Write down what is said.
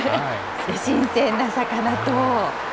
新鮮な魚と。